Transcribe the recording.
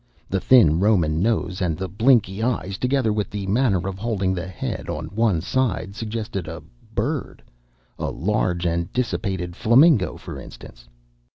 The thin Roman nose and the blinky eyes, together with the manner of holding the head on one side, suggested a bird a large and dissipated flamingo, for instance.